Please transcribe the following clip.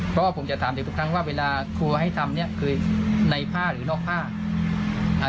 เพราะว่าผมจะถามเด็กทุกครั้งว่าเวลาครูให้ทำเนี้ยคือในผ้าหรือนอกผ้าอ่า